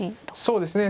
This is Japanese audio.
そうですね。